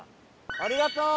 ありがとう！